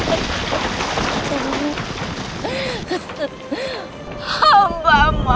dengan diriku senyuman valeu